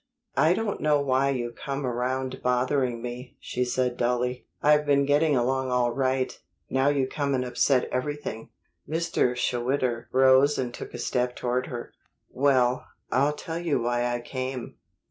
"I don't know why you come around bothering me," she said dully. "I've been getting along all right; now you come and upset everything." Mr. Schwitter rose and took a step toward her. "Well, I'll tell you why I came.